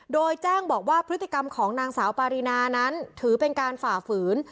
โดยแจ้งบอกว่าพฤติกรรมของนางสาวปารีนานั้นถือเป็นการฝ่าฝืน